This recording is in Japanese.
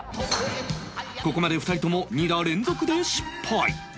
ここまで２人とも２打連続で失敗